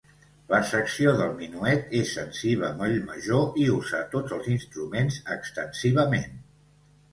La secció del minuet és en si bemoll major i usa tots els instruments extensivament.